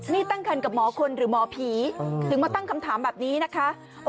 นี่ตั้งคันกับหมอคนหรือหมอผีถึงมาตั้งคำถามแบบนี้นะคะ